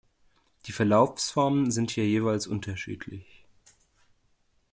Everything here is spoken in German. Die Verlaufsformen sind hier jeweils unterschiedlich.